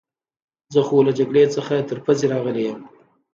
زه خو له جګړې څخه تر پوزې راغلی یم.